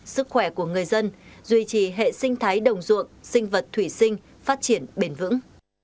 sức khỏe của người dân duy trì hệ sinh thái đồng ruộng sinh vật thủy sinh phát triển bền vững